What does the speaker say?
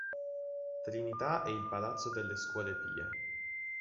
Trinità e il palazzo delle Scuole Pie.